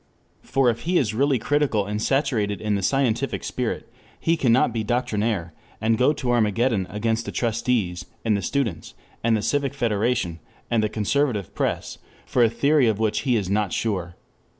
For if he is really critical and saturated in the scientific spirit, he cannot be doctrinaire, and go to Armageddon against the trustees and the students and the Civic Federation and the conservative press for a theory of which he is not sure.